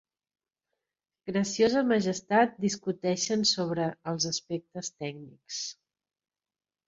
Graciosa Majestat discuteixen sobre els aspectes tècnics.